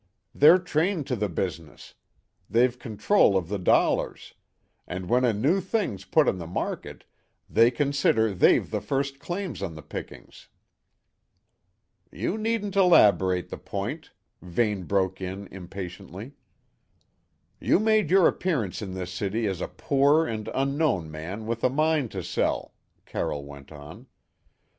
They're trained to the business; they've control of the dollars; and when a new thing's put on the market, they consider they've the first claim on the pickings." "You needn't elaborate the point," Vane broke in impatiently. "You made your appearance in this city as a poor and unknown man with a mine to sell," Carroll went on.